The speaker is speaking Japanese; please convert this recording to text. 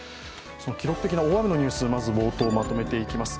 記録的な大雨のニュース、まず冒頭まとめていきます。